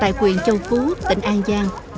tại quyền châu phú tỉnh an giang